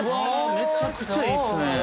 めちゃくちゃいいっすね。